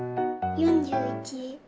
４１。